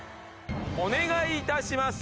お願い致します。